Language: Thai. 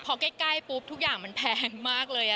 พอใกล้ปุ๊บทุกอย่างมันแพงมากเลย